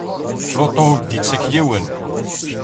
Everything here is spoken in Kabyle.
Lutu ur k-d-ittak yiwen.